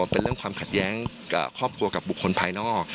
เป็นเรื่องความขัดแย้งกับครอบครัวกับบุคคลภายนอก